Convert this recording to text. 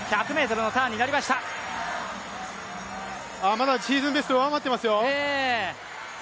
まだシーズンベスト上回っていますよ。